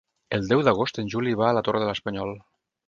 El deu d'agost en Juli va a la Torre de l'Espanyol.